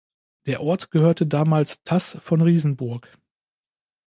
Der Ort gehörte damals Tas von Riesenburg.